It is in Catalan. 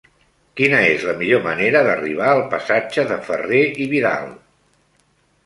Quina és la millor manera d'arribar al passatge de Ferrer i Vidal?